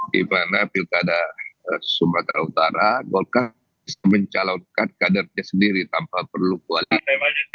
di mana pilkada sumatera utara golkar bisa mencalonkan kadernya sendiri tanpa perlu koalisi